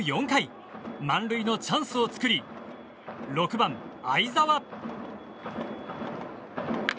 ４回満塁のチャンスを作り６番、會澤。